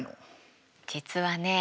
実はね